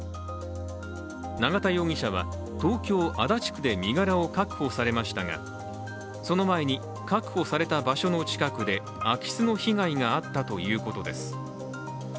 永田容疑者は東京・足立区で身柄を確保されましたがその前に確保された場所の近くで空き巣の被害があったということです。